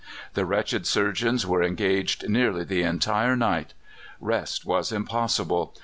The wretched surgeons were engaged nearly the entire night. Rest was impossible.